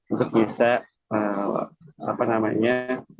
untuk bisa apa namanya